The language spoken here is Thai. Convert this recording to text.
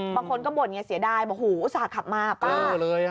บางคนก็บ่นอย่าเสียดายบอกว่าโหอุตส่าห์ขับมาป้า